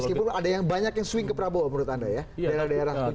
meskipun ada yang banyak yang swing ke prabowo menurut anda ya daerah daerah